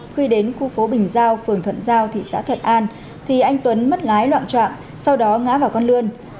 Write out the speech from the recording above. khi đến khu phố bình giao phường thuận giao thị xã thuận an thì anh tuấn mất lái loạn trạng sau đó ngã vào con lươn